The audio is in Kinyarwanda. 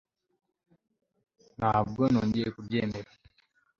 Ntabwo nongeye kubyemera